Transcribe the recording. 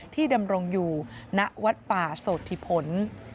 ดำรงอยู่ณวัดป่าโสธิพล